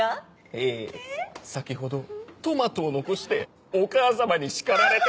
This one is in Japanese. ええ先ほどトマトを残してお母様に叱られていました。